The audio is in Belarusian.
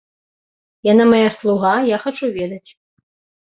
Яна мая слуга, я хачу ведаць.